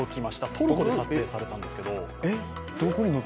トルコで撮影されたんですけど。